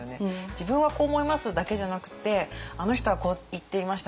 「自分はこう思います」だけじゃなくて「あの人はこう言っていました」